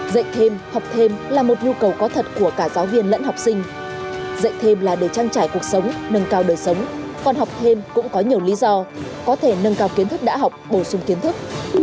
dạy thêm học thêm là một nhu cầu có thật của cả giáo viên lẫn học sinh dạy thêm là để trang trải cuộc sống nâng cao đời sống con học thêm cũng có nhiều lý do có thể nâng cao kiến thức đã học bổ sung kiến thức